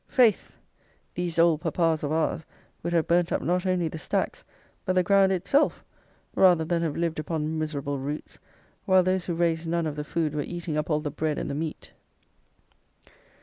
Faith! these old papas of ours would have burnt up not only the stacks, but the ground itself, rather than have lived upon miserable roots, while those who raised none of the food were eating up all the bread and the meat.